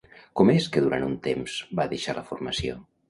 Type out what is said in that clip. Com és que durant un temps va deixar la formació?